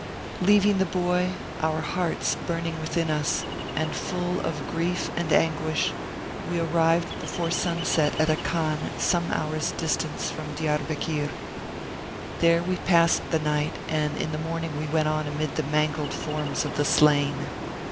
Leaving the boy, our hearts burning within us, and full of grief and anguish, we arrived before sunset at a khan some hours distant from Diarbekir. There we passed the night, and in the morning we went on amid the mangled forms of the slain.